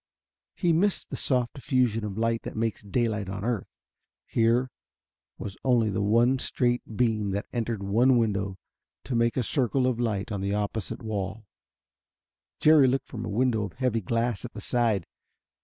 He missed the soft diffusion of light that makes daylight on earth. Here was only the one straight beam that entered one window to make a circle of light on the opposite wall. Jerry looked from a window of heavy glass at the side.